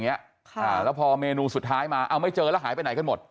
อย่างงี้ละพอเมนูสุดท้ายมาเอาไม่เจอแล้วหายไปไหนก็หมด